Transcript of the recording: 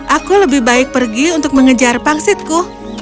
aku lebih baik pergi untuk mengejar pangsitku